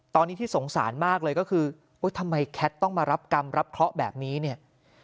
ตอนนี้ที่สงสารมากเลยก็คือทำไมแคทต้องมารับกรรมรับเคราะห์แบบนี้เนี่ย